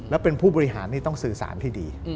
แล้วเป็นผู้บริหารนี่ต้องสื่อสารที่ดี